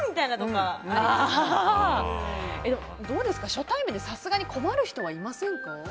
初対面でさすがに困る人はいませんか？